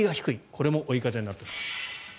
これも追い風になっています。